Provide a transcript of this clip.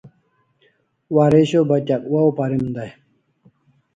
Waresho batyak wow parim dai